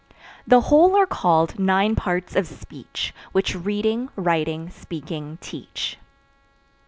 The whole are called nine parts of speech, Which reading, writing, speaking teach.